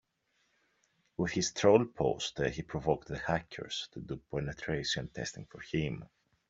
With his troll post he provoked the hackers to do penetration testing for him.